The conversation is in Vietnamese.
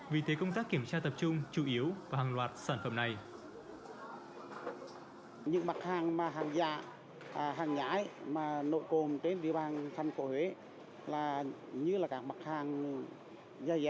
vì thế công tác kiểm tra tập trung chủ yếu vào hàng loạt sản phẩm này